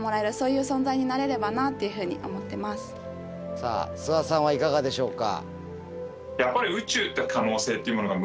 さあ諏訪さんはいかがでしょうか？